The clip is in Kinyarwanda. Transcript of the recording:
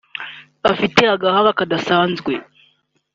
afite agahanga kadasanzwe